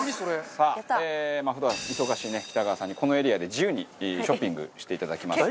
さあ普段忙しい北川さんにこのエリアで自由にショッピングしていただきます。